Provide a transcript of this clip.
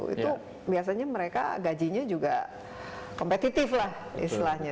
itu biasanya mereka gajinya juga kompetitif lah istilahnya